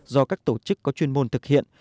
do các tổ chức có chuyên môn thực hiện